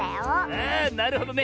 あなるほどね。